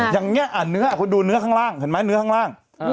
อย่างนี้อ่านเนื้อคุณดูเนื้อข้างล่างเห็นไหมเนื้อข้างล่าง